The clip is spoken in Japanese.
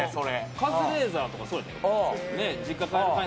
カズレーザーとかそうやねん。